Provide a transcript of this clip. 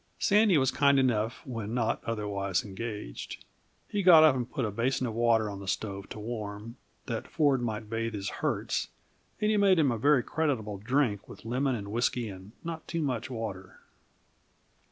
Sandy was kind enough when not otherwise engaged. He got up and put a basin of water on the stove to warm, that Ford might bathe his hurts, and he made him a very creditable drink with lemon and whisky and not too much water.